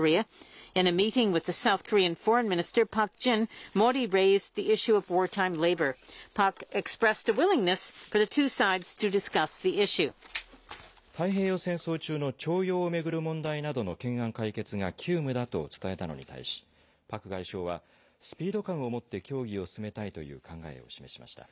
日韓関係の発展には、太平洋戦争中の徴用を巡る問題などの懸案解決が急務だと伝えたのに対し、パク外相は、スピード感を持って協議を進めたいという考えを示しました。